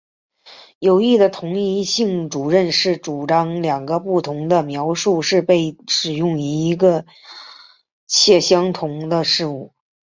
有益的同一性主张是主张两个不同的描述是被使用于一个且相同的事物。